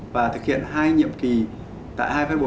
và thực hiện hai nhiệm kỳ tại hai phái bộ